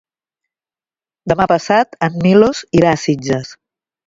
Demà passat en Milos irà a Sitges.